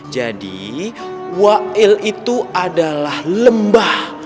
jadi wail itu adalah lembah